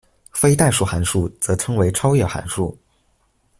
非代数函数则称为超越函数。